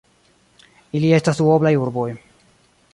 Ili estas duoblaj urboj.